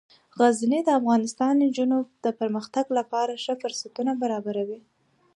غزني د افغان نجونو د پرمختګ لپاره ښه فرصتونه برابروي.